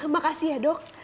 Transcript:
makasih ya dok